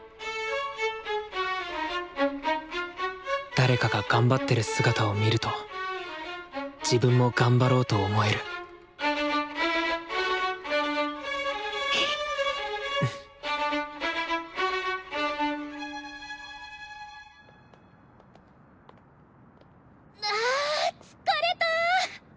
誰かが頑張ってる姿を見ると自分も頑張ろうと思えるあ疲れた！